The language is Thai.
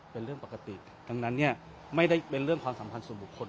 เป็นเรื่องปกติดังนั้นเนี่ยไม่ได้เป็นเรื่องความสัมพันธ์ส่วนบุคคล